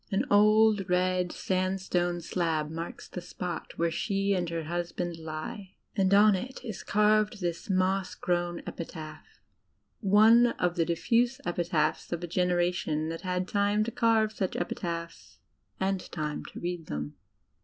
An old, red sandstone slab marks the spot where she and her hus band lie, and on it is carved this moss grown epitaph — one of the diffuse epitaphs of a generation that had time to carve such epitaphs and time to read them.